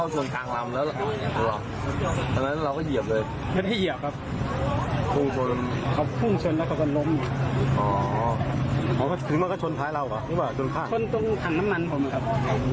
ชนถังน้ำมันผมครับ